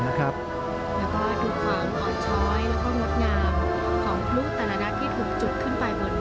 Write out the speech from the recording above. นะครับแล้วก็ดูความออดช้อยแล้วก็มดงามของพลูกตรรดักที่ถูกจุดขึ้นไปบน